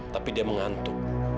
tapi dia mengantuk